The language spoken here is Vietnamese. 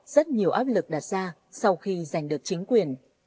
rất nhiều áp lực đặt ra sau khi giành được chính quyền